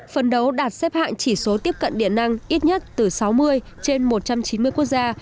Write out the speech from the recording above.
phần đấu đạt xếp hạng chỉ số tiếp cận điện năng ít nhất từ sáu mươi trên một trăm chín mươi quốc gia